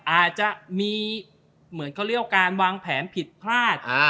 อาจจะมีเหมือนเขาเรียกว่าการวางแผนผิดพลาด